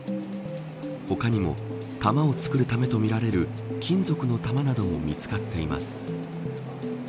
他にも、弾を作るためとみられる金属の球なども見つかっています。